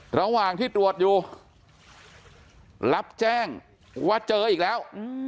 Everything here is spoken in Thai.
ระหว่างที่ตรวจอยู่รับแจ้งว่าเจออีกแล้ว